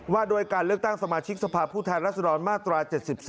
ว่าด้วยการเลือกตั้งสมาชิกสภาพผู้แทนรัศดรมาตรา๗๓